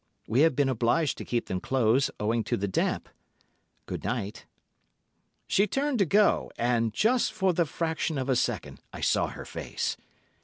We have been obliged to keep them closed, owing to the damp. Good night!' "She turned to go, and just for the fraction of a second I saw her face.